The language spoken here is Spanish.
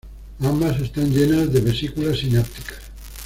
Ambas están llenas de vesículas sinápticas.